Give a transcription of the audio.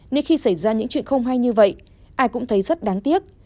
nên khi xảy ra những chuyện không hay như vậy ai cũng thấy rất đáng tiếc